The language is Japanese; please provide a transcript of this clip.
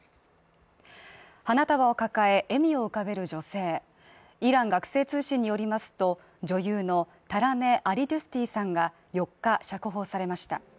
花束を抱え笑みを浮かべる女性イラン学生通信によりますと女優のタラネ・アリドゥスティさんが４日釈放されました